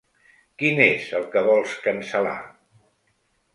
Quin és el que vols cancel·lar?